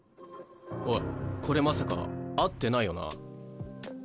おいこれまさか合ってないよな？